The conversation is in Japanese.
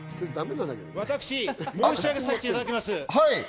私、申し上げさせていただきます。